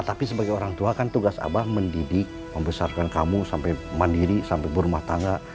tapi sebagai orang tua kan tugas abah mendidik membesarkan kamu sampai mandiri sampai berumah tangga